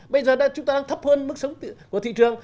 bây giờ chúng ta đang thấp hơn mức sống của thị trường